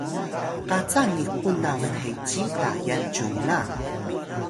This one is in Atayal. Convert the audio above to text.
qaca niqun na bnheci Tayal cyunga